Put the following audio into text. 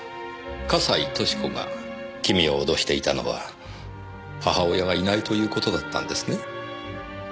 笠井俊子が君を脅していたのは母親がいないという事だったんですね？